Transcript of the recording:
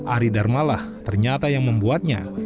arie darmalah ternyata yang membuatnya